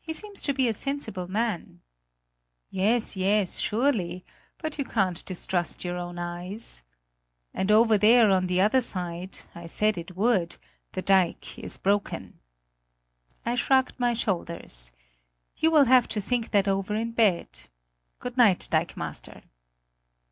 "He seems to be a sensible man." "Yes, yes, surely; but you can't distrust your own eyes. And over there on the other side I said it would the dike is broken." I shrugged my shoulders. "You will have to think that over in bed. Good night, dikemaster."